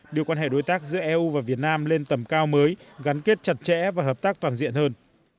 đưa quan hệ đối tác giữa eu và việt nam lên tầm cao mới gắn kết chặt chẽ và hợp tác toàn diện hơn